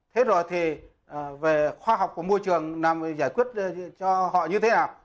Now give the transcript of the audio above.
thế rồi thì về khoa học của môi trường làm giải quyết cho họ như thế nào